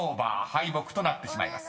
敗北となってしまいます］